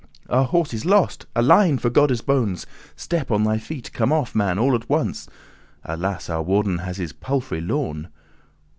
Our horse is lost: Alein, for Godde's bones, Step on thy feet; come off, man, all at once: Alas! our warden has his palfrey lorn.